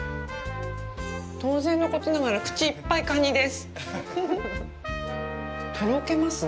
当然のことながら、口いっぱいカニです！